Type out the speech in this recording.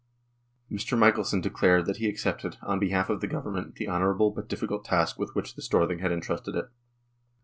Mr. Michelsen declared that he accepted, on behalf of the Government, the honourable but difficult task with which the Storthing had entrusted it.